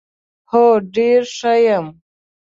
هو ډېره ښه یم .